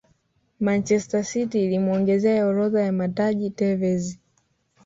manchester city ilimuongezea orodha ya mataji tevez